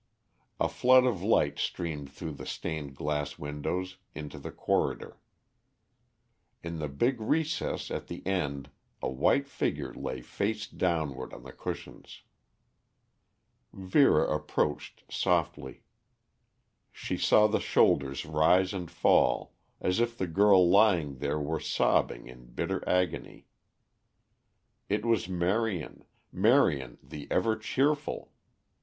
A flood of light streamed through the stained glass windows into the corridor. In the big recess at the end a white figure lay face downward on the cushions. Vera approached softly. She saw the shoulders rise and fall as if the girl lying there were sobbing in bitter agony. It was Marion. Marion the ever cheerful!